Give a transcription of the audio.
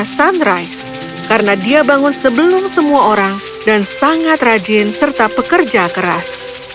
sunrise karena dia bangun sebelum semua orang dan sangat rajin serta pekerja keras